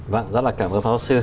vâng rất là cảm ơn pháp giáo sư